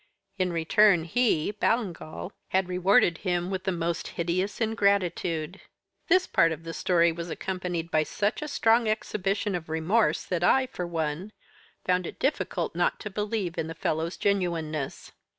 In return he (Ballingall) had rewarded him with the most hideous ingratitude. This part of the story was accompanied by such a strong exhibition of remorse that I, for one, found it difficult not to believe in the fellow's genuineness.